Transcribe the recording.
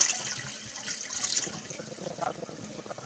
একই সঙ্গে প্রতিটি অভিযানের জন্য আরও দুই হাজার রুপি বোনাস পান।